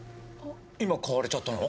今買われちゃったの？